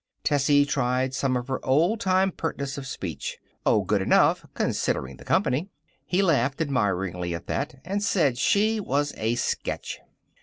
Tessie tried some of her old time pertness of speech. "Oh, good enough, considering the company." He laughed admiringly at that and said she was a sketch.